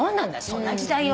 そんな時代。